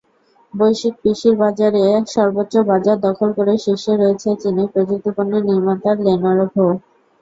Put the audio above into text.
বৈশ্বিক পিসির বাজারে সর্বোচ্চ বাজার দখল করে শীর্ষে রয়েছে চীনের প্রযুক্তিপণ্য নির্মাতা লেনোভো।